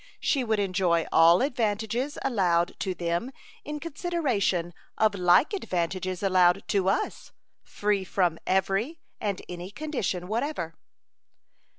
She would enjoy all advantages allowed to them in consideration of like advantages allowed to us, free from every and any condition whatever.